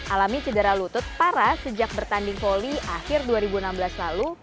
alami cedera lutut parah sejak bertanding voli akhir dua ribu enam belas lalu